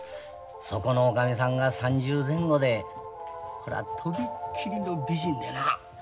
そこの女将さんが３０前後で飛びっきりの美人でな。